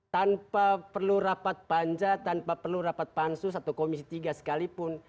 tanpa perlu rapat panja tanpa perlu rapat pansus atau komisi tiga sekalipun